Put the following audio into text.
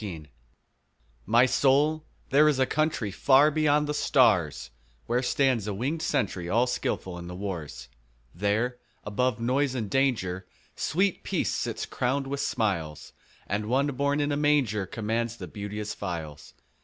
Peace MY soul, there is a country Far beyond the stars, Where stands a wingèd sentry All skilful in the wars: There, above noise and danger, 5 Sweet Peace sits crown'd with smiles, And One born in a manger Commands the beauteous files.